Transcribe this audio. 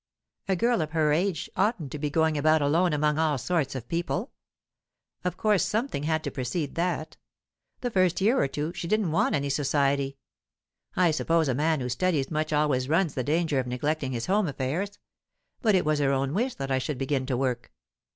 A girl of her age oughtn't to be going about alone among all sorts of people. Of course something had to precede that. The first year or two, she didn't want any society. I suppose a man who studies much always runs the danger of neglecting his home affairs. But it was her own wish that I should begin to work.